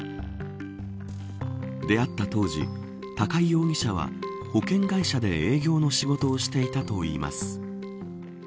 出会った当時、高井容疑者は保険会社で営業の仕事をしていたといいます。